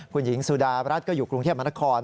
คุณหญิงสุดารัฐก็อยู่กรุงเทพมนคร